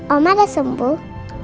oma udah sembuh